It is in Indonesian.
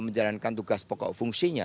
menjalankan tugas pokok fungsinya